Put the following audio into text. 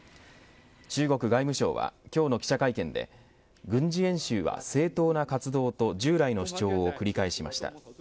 中国外務省は今日の記者会見で軍事演習は正当な活動と、従来の主張を繰り返しました。